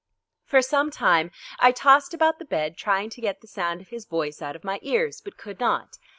For some time I tossed about the bed trying to get the sound of his voice out of my ears, but could not.